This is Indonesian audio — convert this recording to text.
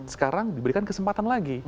sekarang diberikan kesempatan lagi